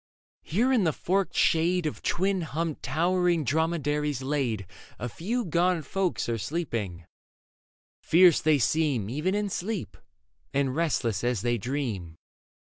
Here in the forked shade Of twin humped towering dromedaries laid, A few gaunt folk are sleeping : fierce they seem Even in sleep, and restless as they dream.